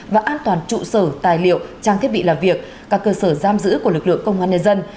và an toàn trụ sở tài liệu trang thiết bị làm việc các cơ sở giam giữ của lực lượng công an nhân dân